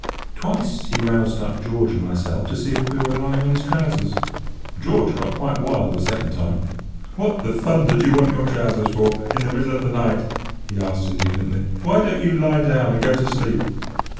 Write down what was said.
Twice he routed up George and myself to see if we were lying on his trousers. George got quite wild the second time. "What the thunder do you want your trousers for, in the middle of the night?" he asked indignantly. "Why don't you lie down, and go to sleep?"